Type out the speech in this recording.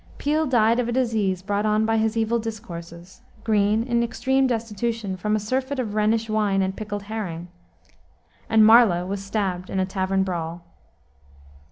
Peele died of a disease brought on by his evil courses; Greene, in extreme destitution, from a surfeit of Rhenish wine and pickled herring; and Marlowe was stabbed in a tavern brawl.